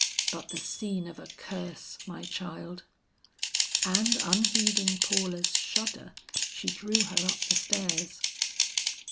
But the scene of a curse, my child." And unheeding Paula's shudder, she drew her up the stairs.